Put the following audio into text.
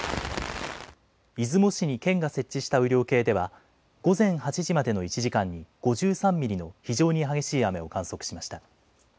出雲市に県が設置した雨量計では午前８時までの１時間に５３ミリの非常に激しい雨を観測しました。